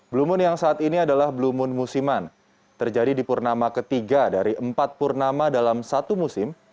blue moon yang saat ini adalah blue moon musiman terjadi di purnama ketiga dari empat purnama dalam satu musim